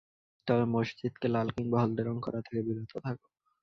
তবে মসজিদকে লাল কিংবা হলদে রং করা থেকে বিরত থাকো।